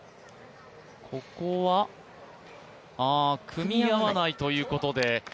ここは組み合わないということで。